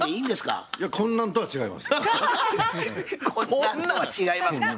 こんなんとは違いますか？